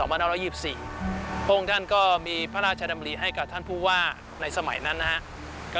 พระองค์ท่านก็มีพระราชดำริให้กับท่านผู้ว่าในสมัยนั้นนะครับ